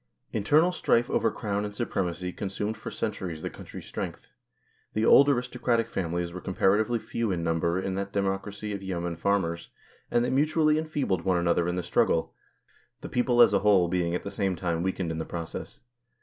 Internal strife over Crown and supremacy con sumed for centuries the country's strength. The old aristocratic families were comparatively few in number in that democracy of yeomen farmers, and they mutually enfeebled one another in the struggle, HISTORICAL INTRODUCTION 5 the people as a whole being at the same time weakened in the process.